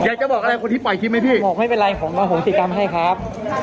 อยากจะบอกอะไรคนที่ปล่อยคลิปไหมพี่บอกไม่เป็นไรผมอโหสิกรรมให้ครับ